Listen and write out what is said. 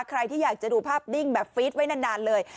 ใครที่อยากจะดูภาพดิ้งแบบฟีดไว้นานเลย